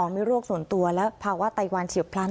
๒ไม่ร่วงส่วนตัวและภาวะไตวัน๑๐๐๐๐นะคะ